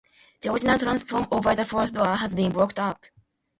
The original transom over the front door has been blocked up.